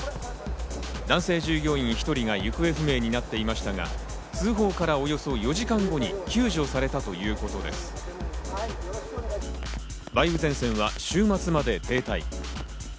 男性従業員１人が行方不明になっていましたが、通報からおよそ４時間後に救助されたということです。